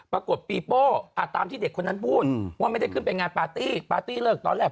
ปรากฏปีโป้ตามที่เด็กคนนั้นพูดว่าไม่ได้ขึ้นไปงานปาร์ตี้ปาร์ตี้เลิกตอนแรก